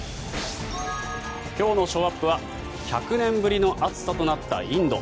今日のショーアップは１００年ぶりの暑さとなったインド。